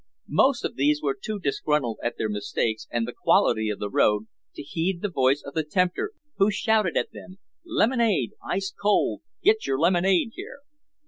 Most of these were too disgruntled at their mistakes and the quality of the road to heed the voice of the tempter who shouted at them, "Lemonade, ice cold! Get your lemonade here!"